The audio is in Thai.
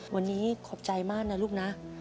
วันนี้ขอบใจมากนะลูกนะ